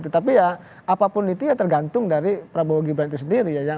tapi ya apapun itu ya tergantung dari prabowo geban itu sendiri